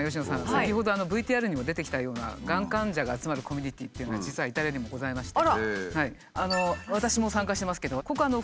先ほどＶＴＲにも出てきたようながん患者が集まるコミュニティーっていうのは実はイタリアにもございまして。